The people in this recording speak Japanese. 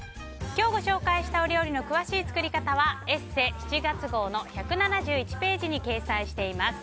今日ご紹介したお料理の詳しい作り方は「ＥＳＳＥ」７月号の１７１ページに掲載しています。